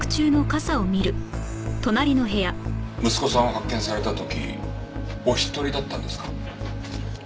息子さんを発見された時お一人だったんですか？